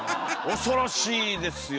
恐ろしいですよ。